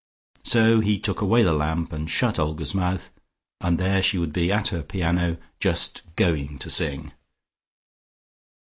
So he took away the lamp, and shut Olga's mouth, and there she would be at her piano just going to sing.